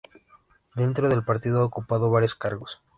Dentro del partido ha ocupado varios cargos.